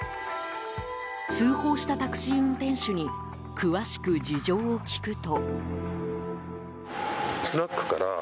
通報したタクシー運転手に詳しく事情を聴くと。